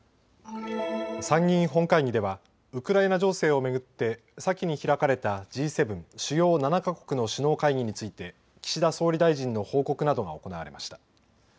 参議院本会議ではウクライナ情勢を巡って先に開かれたＧ７・主要７か国の首脳会議について岸田総理大臣の報告などが行われました。